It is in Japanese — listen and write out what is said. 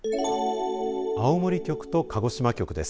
青森局と鹿児島局です。